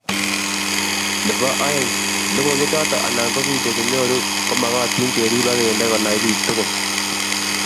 Nebo oeng, logoiwechoto anan ko video chenyoru komagatin kerib akende konai bik tugul